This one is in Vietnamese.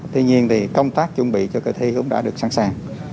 tuy nhiên thì công tác chuẩn bị cho kỳ thi cũng đã được sẵn sàng